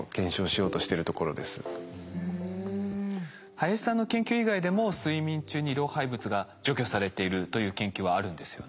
林さんの研究以外でも睡眠中に老廃物が除去されているという研究はあるんですよね。